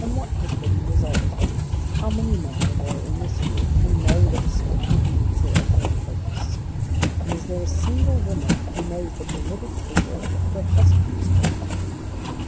And what has been the result? How many men are there in this room who know the respective nature of their votes? And is there a single woman who knows the political worth of her husband's vote?